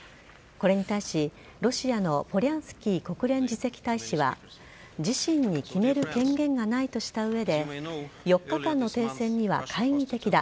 これに対し、ロシアのポリャンスキー国連次席大使は自身に決める権限がないとした上で４日間の停戦には懐疑的だ。